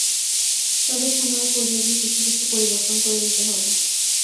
তবে সময়োপযোগী কিছু কিছু পরিবর্তন করে দিতে হবে।